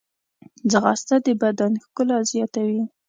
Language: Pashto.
ځغاسته د بدن ښکلا زیاتوي